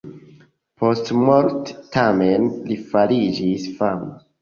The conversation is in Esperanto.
Postmorte, tamen, li fariĝis fama.